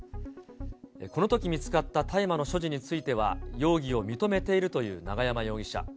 このとき見つかった大麻の所持については、容疑を認めているという永山容疑者。